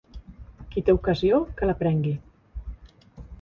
Qui té ocasió que la prengui.